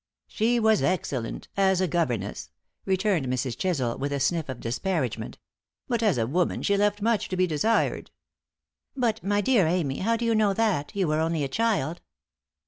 "She was excellent as a governess," returned Mrs. Chisel, with a sniff of disparagement; "but as a woman she left much to be desired." "But, my dear Amy, how do you know that? You were only a child."